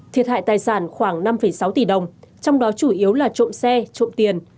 thiệt hại tài sản khoảng năm sáu tỷ đồng trong đó chủ yếu là trộm xe trộm tiền